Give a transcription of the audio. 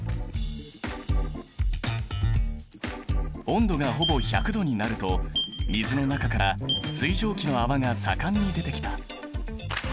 温度がほぼ１００℃になると水の中から水蒸気の泡が盛んに出てきた。